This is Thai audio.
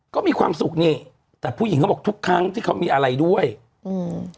ก็มีความสุขนี่แต่ผู้หญิงเขาบอกทุกครั้งที่เขามีอะไรด้วยอืม